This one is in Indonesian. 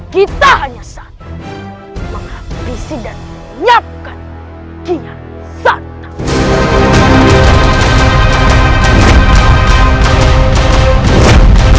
kita hanya satu menghabisi dan menyiapkan kinyat santa